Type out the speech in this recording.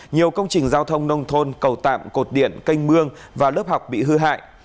nhiều công trình giao thông nông thôn cầu tạm cột điện canh mương và lớp học bị hư hại